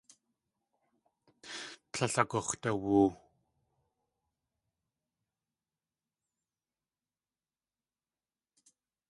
Tlél agux̲dawoo.